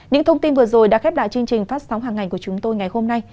những thông tin vừa rồi đã khép lại chương trình phát sóng hàng ngày của chúng tôi ngày hôm nay